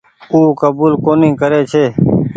او ڪبول ڪونيٚ ڪري ڇي۔